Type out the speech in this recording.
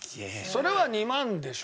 それは２万でしょ？